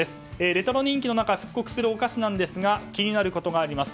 レトロ人気の中復刻するお菓子なんですが気になることがあります